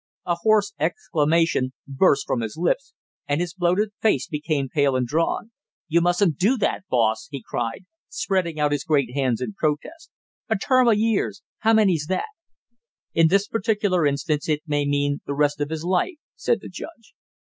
A hoarse exclamation burst from his lips, and his bloated face became pale and drawn. "You mustn't do that, boss!" he cried, spreading out his great hands in protest. "A term of years how many's that?" "In this particular instance it may mean the rest of his life," said the judge.